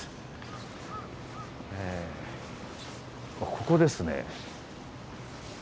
ここですね。